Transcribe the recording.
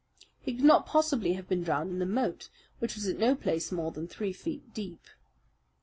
He could not possibly have been drowned in the moat, which was at no place more than three feet deep.